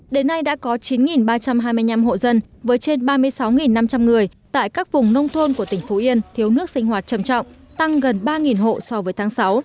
đến nay đã có chín ba trăm hai mươi năm hộ dân với trên ba mươi sáu năm trăm linh người tại các vùng nông thôn của tỉnh phú yên thiếu nước sinh hoạt trầm trọng tăng gần ba hộ so với tháng sáu